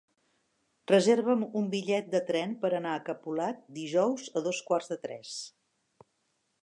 Reserva'm un bitllet de tren per anar a Capolat dijous a dos quarts de tres.